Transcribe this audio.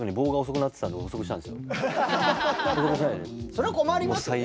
それは困りますよね